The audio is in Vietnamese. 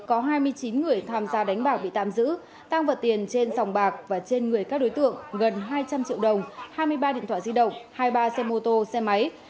có hai mươi chín người tham gia đánh bạc bị tạm giữ tăng vật tiền trên sòng bạc và trên người các đối tượng gần hai trăm linh triệu đồng hai mươi ba điện thoại di động hai mươi ba xe mô tô xe máy